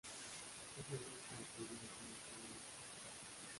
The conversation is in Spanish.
Es la única arteria comercial de las islas.